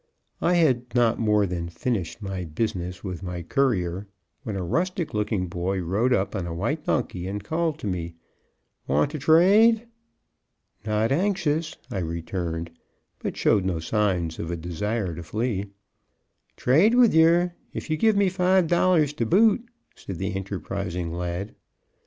I had not more than finished my business with my courier, when a rustic looking boy rode up on a white donkey, and called to me, "Want ter trade?" "Not anxious," I returned, but showed no signs of a desire to flee. "Trade with yer, if you give me five dollars to boot," said the enterprising lad.